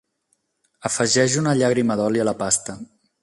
Afegeix una llàgrima d'oli a la pasta.